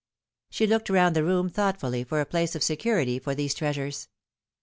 She looked round the room thoughtfully for a place of security for these treasures.